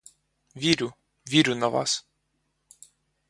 Вірю, вірю на вас.